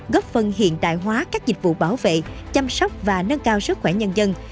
góp phần hiện đại hóa các dịch vụ bảo vệ chăm sóc và nâng cao sức khỏe nhân dân